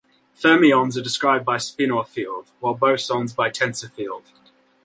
Fermions are described by spinor field, while bosons by tensor field.